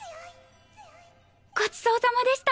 ごちそうさまでした。